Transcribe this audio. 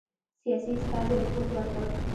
سیاسي استازي رپوټ ورکړ.